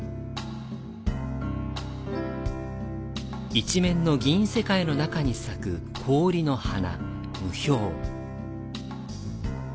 一面の銀世界の中に咲く、氷の花、霧氷。